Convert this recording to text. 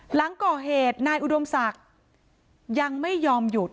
หลังก่อเหตุนายอุดมศักดิ์ยังไม่ยอมหยุด